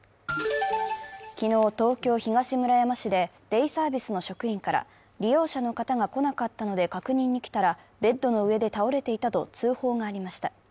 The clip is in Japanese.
昨日、東京・東村山市でデイサービスの職員から利用者の方が来なかったので確認に来たらベッドの上で倒れていたと通報がありました。